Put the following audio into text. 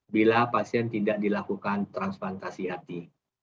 bila pasien tidak dilakukan transplantasi hati